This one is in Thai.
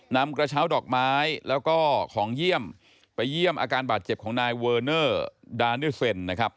นำกระเช้าดอกไม้แล้วก็ของเยี่ยมไปเยี่ยมอาการบาดเจ็บของนายเวอร์เนอร์ดาเนอร์เซ็นนะครับ